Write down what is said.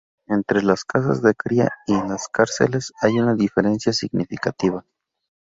Entre las casas de cría y en las cárceles, hay una diferencia significativa.